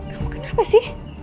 kamu kenapa sih